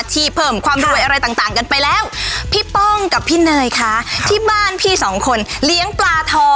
หมายเลขโทรศัพท์๐๘๓๕๖๒๙๑๓๐